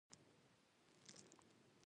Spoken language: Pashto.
خلکو به دوی زناکار او بد اخلاق بلل.